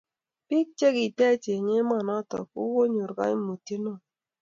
bik che ki tech eng emet noton ko konyor kaimutiet neo